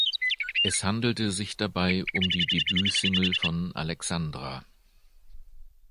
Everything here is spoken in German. Es handelte sich dabei um die Debütsingle von Alexandra.